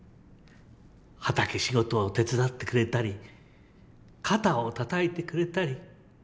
畑仕事を手伝ってくれたり肩をたたいてくれたり。